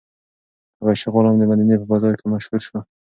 حبشي غلام د مدینې په بازار کې مشهور شو.